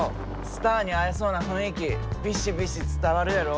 スターに会えそうな雰囲気ビシビシ伝わるやろ？